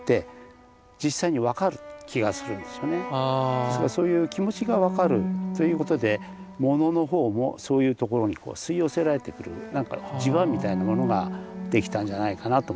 ですからそういう気持ちが分かるということで物の方もそういうところに吸い寄せられてくる何か磁場みたいなものができたんじゃないかなと思うんですよね。